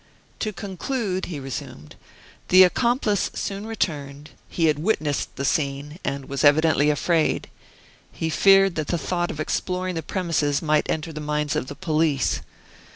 "To conclude," he resumed, "the accomplice soon returned, he had witnessed the scene, and was evidently afraid. He feared that the thought of exploring the premises might enter the minds of the police.